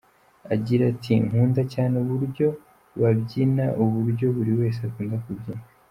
Agira ati “Nkunda cyane uburyo babyina, uburyo buri wese akunda kubyina.